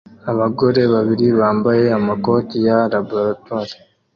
Abagore babiri bambaye amakoti ya laboratoire